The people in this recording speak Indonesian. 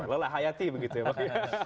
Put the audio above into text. lelah hayati begitu ya bang